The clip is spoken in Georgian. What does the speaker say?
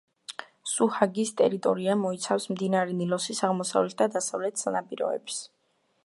სუჰაგის ტერიტორია მოიცავს მდინარე ნილოსის აღმოსავლეთ და დასავლეთ სანაპიროებს.